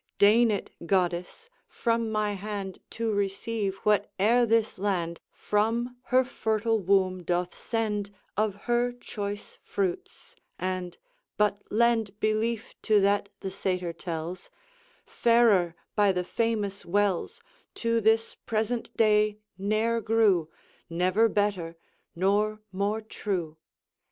Deign it, goddess, from my hand To receive whate'er this land From her fertile womb doth send Of her choice fruits; and but lend Belief to that the Satyr tells Fairer by the famous wells To this present day ne'er grew, Never better, nor more true.